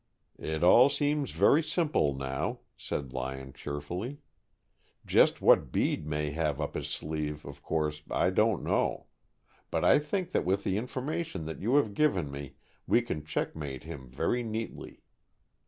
"It all seems very simple, now," said Lyon, cheerfully. "Just what Bede may have up his sleeve, of course I don't know. But I think that with the information that you have given me, we can checkmate him very neatly.